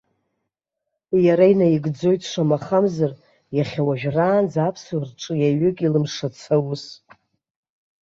Иара инаигӡоит, шамахамзар, иахьа уажәраанӡа аԥсуа рҿиаҩык илымшац аус.